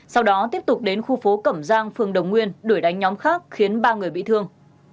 sau đó tiếp tục đến khu phố cẩm giang phường đồng nguyên đuổi đánh nhóm khác khiến ba người bị thương